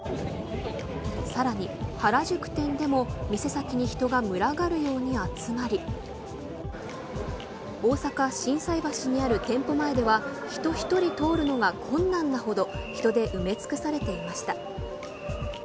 さらに、原宿店でも店先に人が群がるように集まり大阪、心斎橋にある店舗前では人１人通るのが困難なほど人で埋め尽くされていました。